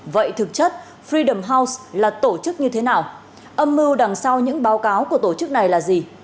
vậy thực chất fredam house là tổ chức như thế nào âm mưu đằng sau những báo cáo của tổ chức này là gì